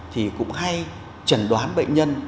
thì cũng hay trận đoán bệnh nhân